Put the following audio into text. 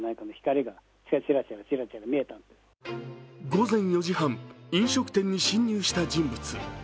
午前４時半、飲食店に侵入した人物。